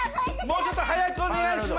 もうちょっと早くお願いします。